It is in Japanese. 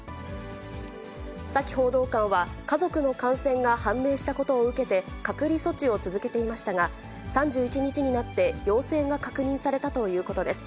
サキ報道官は、家族の感染が判明したことを受けて隔離措置を続けていましたが、３１日になって陽性が確認されたということです。